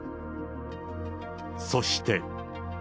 そして。